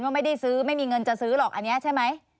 ไม่ได้ซื้อไม่มีเงินจะซื้อหรอกอันนี้ใช่ไหม